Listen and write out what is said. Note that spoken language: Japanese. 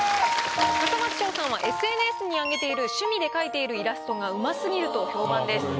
笠松将さんはＳＮＳに上げている趣味で描いているイラストが「うますぎる」と評判です。